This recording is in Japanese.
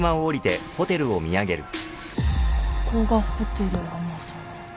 ここがホテル天沢。